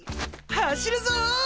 走るぞ！